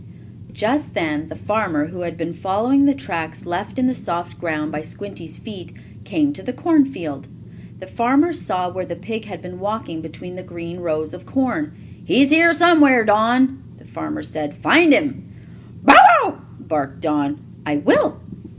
Just then the farmer, who had been following the tracks left in the soft ground by Squinty's feet, came to the cornfield. The farmer saw where the pig had been walking between the green rows of corn. "He's here, somewhere, Don," the farmer said. "Find him!" "Bow wow!" barked Don. "I will!"